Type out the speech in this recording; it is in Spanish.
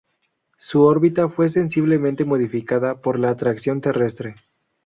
Su órbita fue sensiblemente modificada por la atracción terrestre.